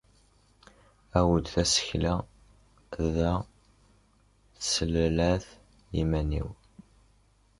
Awd tasekla da teslellat iman.